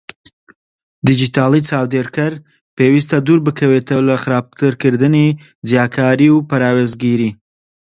دیجیتاڵی چاودێرکەر پێویستە دووربکەوێتەوە لە خراپترکردنی جیاکاری و پەراوێزگیری؛